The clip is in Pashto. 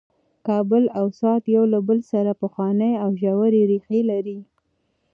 کابل او سوات یو له بل سره پخوانۍ او ژورې ریښې لري.